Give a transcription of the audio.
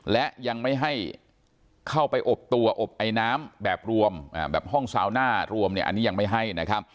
และยังไม่ให้เข้าไปอบตัวอบไอน้ำแบบรวมแบบห้องซาวหน้ารวมอันนี้ยังไม่ให้นะครับ